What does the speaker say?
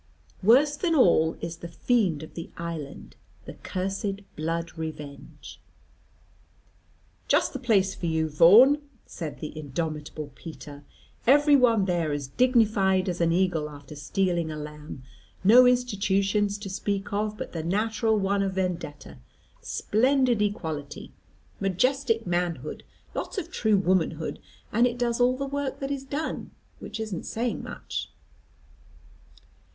Worse than all is the fiend of the island, the cursed Blood revenge. "Just the place for you, Vaughan," said the indomitable Peter, "every one there as dignified as an eagle after stealing a lamb. No institutions to speak of, but the natural one of Vendetta, splendid equality, majestic manhood, lots of true womanhood, and it does all the work that is done, which isn't saying much.